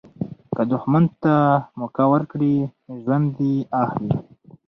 که دوښمن ته موکه ورکړي، ژوند دي اخلي.